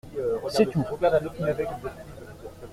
C’est tout.